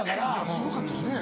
すごかったですね。